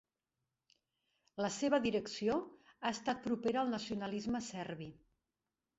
La seva direcció ha estat propera al nacionalisme serbi.